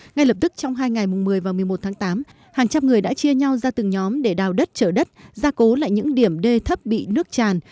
ngay lập tức trong hai ngày mùng một mươi và một mươi một tháng tám hàng trăm người đã chia nhau ra từng nhóm để đào đất trở đất gia cố lại những điểm đê thấp bị nước tràn